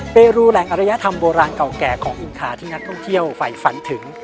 เป็นรูแหล่งอริยธรรมโบราณเก่าแก่ของอินคาที่นักท่องเที่ยวฝ่ายฝันถึง